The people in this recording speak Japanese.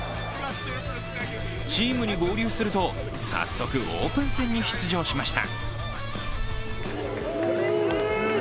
チームに合流すると早速、オープン戦に出場しました。